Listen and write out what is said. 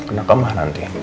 kena kemah nanti